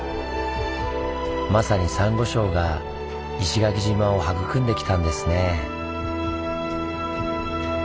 まさにサンゴ礁が石垣島を育んできたんですね。